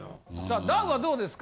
ダウはどうですか？